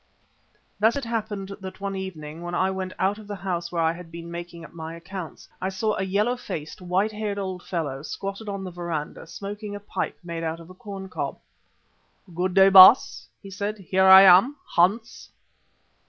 Thus it happened that one evening when I went out of the house where I had been making up my accounts, I saw a yellow faced white haired old fellow squatted on the verandah smoking a pipe made out of a corn cob. "Good day, Baas," he said, "here am I, Hans."